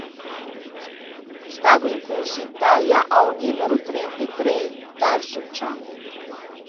Staggo in Corso Italia a-o numero trent’e trei, terso cian.